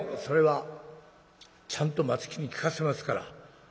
「それはちゃんと松木に聞かせますから。